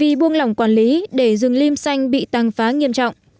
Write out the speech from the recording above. vì buông lỏng quản lý để rừng lim xanh bị tăng phá nghiêm trọng